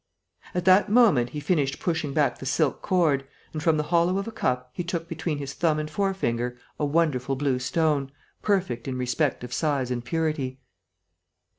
At that moment he finished pushing back the silk cord and, from the hollow of a cup he took between his thumb and forefinger a wonderful blue stone, perfect in respect of size and purity.